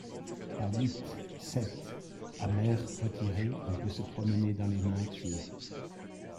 Pas huit, sept. — À mer retirée, on peut se promener dans les Minquiers.